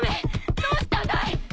どうしたんだい！？